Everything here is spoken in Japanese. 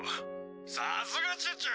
さすがチュチュ。